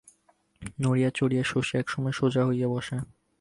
নড়িয়া চড়িয়া শশী একসময় সোজা হইয়া বসে।